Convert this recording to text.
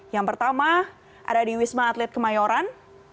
yang pertama ada di wisma atlet kemayoran